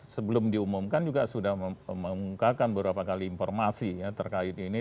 sebelum diumumkan juga sudah mengungkapkan beberapa kali informasi terkait ini